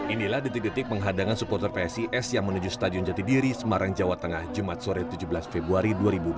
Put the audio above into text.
inilah detik detik penghadangan supporter psis yang menuju stadion jatidiri semarang jawa tengah jumat sore tujuh belas februari dua ribu dua puluh